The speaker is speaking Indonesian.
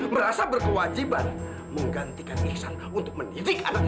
merasa berkewajiban menggantikan ihsan untuk mendidik anaknya